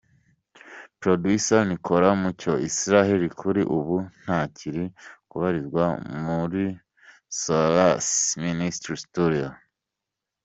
Producer Nicolas Mucyo Israel kuri ubu ntakiri kubarizwa muri Solace Ministry Studio.